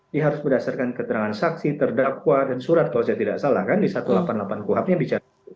dia harus berdasarkan keterangan saksi terdakwa dan surat kalau saya tidak salah kan di satu ratus delapan puluh delapan kuhapnya bicara